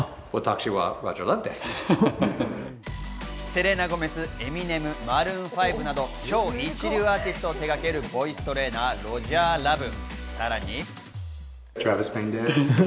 セレーナ・ゴメス、エミネム、マルーン５など超一流アーティストを手がけるボイストレーナー、ロジャー・ラブ。